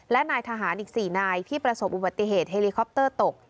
และนายทหารอีก๔นายที่ประสบอุบัติเหตุเฮลิคอปเตอร์ตก